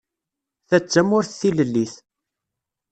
Ta d tamurt tilellit.